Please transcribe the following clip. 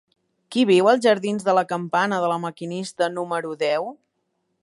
Qui viu als jardins de la Campana de La Maquinista número deu?